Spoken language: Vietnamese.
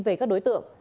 về các đối tượng